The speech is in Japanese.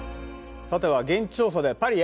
さては現地調査でパリへ！？